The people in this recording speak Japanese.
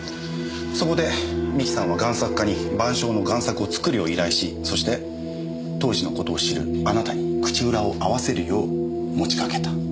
そこで三木さんは贋作家に『晩鐘』の贋作を作るよう依頼しそして当時のことを知るあなたに口裏を合わせるよう持ちかけた。